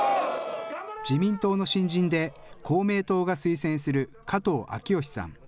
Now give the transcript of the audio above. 自民党の新人で公明党が推薦する加藤明良さん。